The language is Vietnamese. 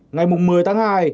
ngày một mươi tháng hai